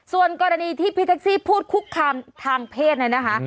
ส่วนกรณีที่พี่แท็กซี่พูดคุกคามทางเพศเนี่ยนะคะ